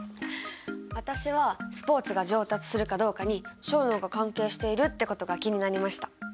私はスポーツが上達するかどうかに小脳が関係しているってことが気になりました。